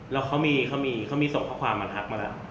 แล้วเขามีเขามีส่งข้อความมาทักมาแล้ว